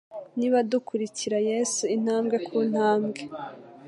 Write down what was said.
Niba dukurikira Yesu intambwe ku ntambwe,